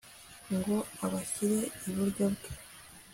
ngo abashyire iburyo bwe